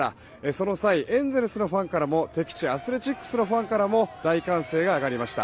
その際エンゼルスのファンからも敵地アスレチックスのファンからも大歓声が上がりました。